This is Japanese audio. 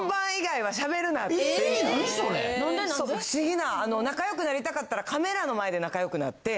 ・そう不思議な仲良くなりたかったらカメラの前で仲良くなって。